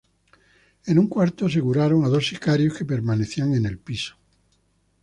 En un cuarto aseguraron a dos sicarios que permanecían en el piso.